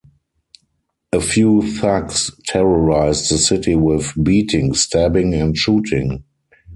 A few thugs terrorized the city with beating, stabbing, and shooting.